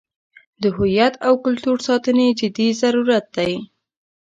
د هویت او کلتور ساتنې جدي ضرورت دی.